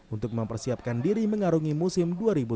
untuk mempersiapkan diri mengarungi musim dua ribu tujuh belas